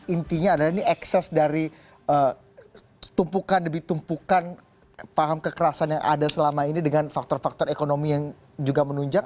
intinya adalah ini ekses dari tumpukan demi tumpukan paham kekerasan yang ada selama ini dengan faktor faktor ekonomi yang juga menunjang